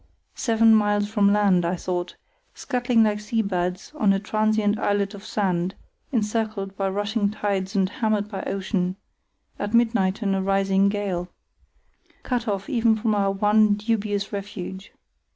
"Seven miles from land," I thought, "scuttling like sea birds on a transient islet of sand, encircled by rushing tides and hammered by ocean, at midnight in a rising gale—cut off even from our one dubious refuge."